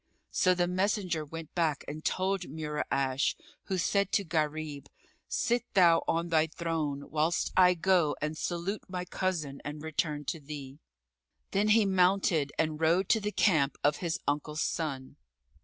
'" So the messenger went back and told Mura'ash, who said to Gharib, "Sit thou on thy throne whilst I go and salute my cousin and return to thee." Then he mounted and rode to the camp of his uncle's son.